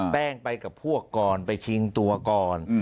แป้งไปกับพวกก่อนไปชิงตัวก่อน